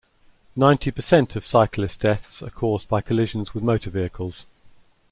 Ninety percent of cyclist deaths are caused by collisions with motor vehicles.